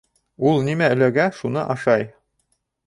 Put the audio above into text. Ул нимә эләгә, шуны ашай.